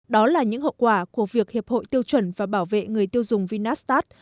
đó là những hậu quả của việc hiệp hội tiêu chuẩn và bảo vệ người tiêu dùng vinastat